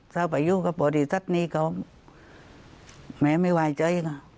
ถ้าไปอยู่กับบริษัทนี้ก็แม่ไม่ไหวใจก็